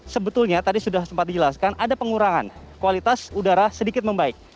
sebetulnya tadi sudah sempat dijelaskan ada pengurangan kualitas udara sedikit membaik